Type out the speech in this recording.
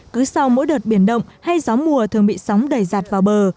cứ sau mỗi đợt biển động hay gió mùa thường bị sóng đẩy giạt vào bờ